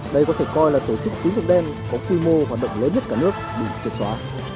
đây có thể coi là tổ chức tín dụng đen có quy mô hoạt động lớn nhất cả nước bị triệt xóa